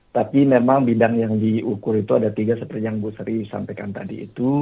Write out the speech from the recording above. tapi memang bidang yang diukur itu ada tiga seperti yang bu sri sampaikan tadi itu